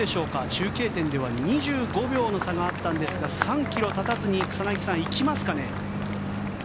中継点では２５秒の差があったんですが３ｋｍたたずに草薙さん、行きますかね？